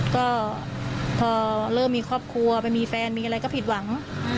ก็พอเริ่มมีครอบครัวไปมีแฟนมีอะไรก็ผิดหวัง